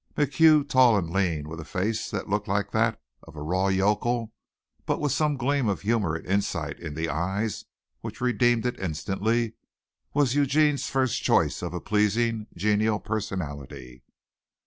McHugh, tall and lean, with a face that looked like that of a raw yokel, but with some gleam of humor and insight in the eyes which redeemed it instantly, was Eugene's first choice of a pleasing, genial personality.